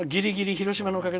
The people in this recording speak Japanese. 広島のおかげ。